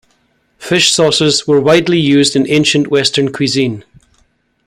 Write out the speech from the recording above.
Fish sauces were widely used in ancient western cuisine.